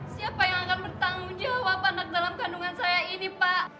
siapa yang akan bertanggung jawab anak dalam kandungan saya ini pak